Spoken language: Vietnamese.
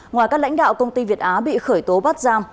ngoài các lãnh đạo công ty việt á bị khởi tố bắt giam